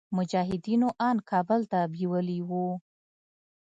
مجاهدينو ان کابل ته بيولي وو.